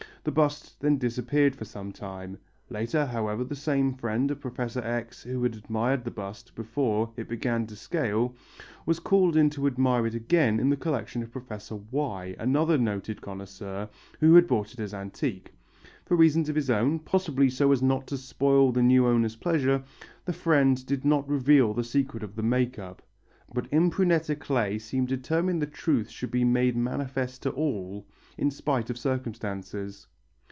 The bust then disappeared for some time. Later, however, the same friend of Professor X. who had admired the bust before it began to scale, was called in to admire it again in the collection of Professor Y., another noted connoisseur, who had bought it as antique. For reasons of his own, possibly so as not to spoil the new owner's pleasure, the friend did not reveal the secret of the make up. But Impruneta clay seemed determined the truth should become manifest to all, in spite of circumstances.